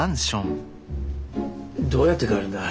どうやって替えるんだ。